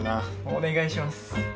お願いします。